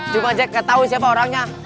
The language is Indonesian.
cuma jack gak tau siapa orangnya